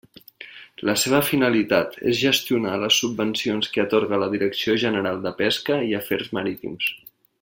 La seva finalitat és gestionar les subvencions que atorga la Direcció General de Pesca i Afers Marítims.